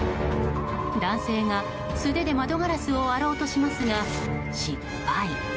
男性が、素手で窓ガラスを割ろうとしますが失敗。